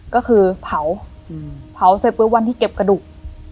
ก็คือเผาเผาเสร็จปุ๊บวันที่เก็บกระดูก